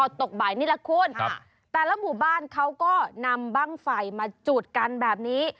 ตกบ่ายนี่แหละคุณแต่ละหมู่บ้านเขาก็นำบ้างไฟมาจุดกันแบบนี้